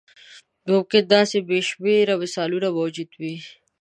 ممکن داسې بې شمېره مثالونه موجود وي.